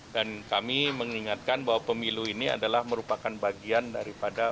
dan kami mengingatkan bahwa pemilu ini adalah merupakan bagian daripada